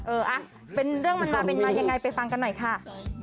เอออ่ะเป็นเรื่องมันมาเป็นมายังไงไปฟังกันหน่อยค่ะ